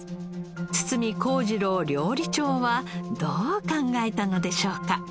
堤耕次郎料理長はどう考えたのでしょうか。